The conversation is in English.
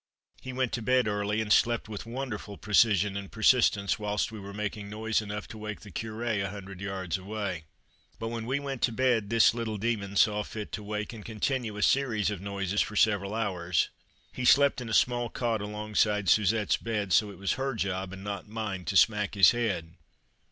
He went to bed early, and slept with wonderful precision and persistence whilst we were making noise enough to wake the Curé a hundred yards away. But, when we went to bed, this little demon saw fit to wake, and continue a series of noises for several hours. He slept in a small cot alongside Suzette's bed, so it was her job, and not mine, to smack his head.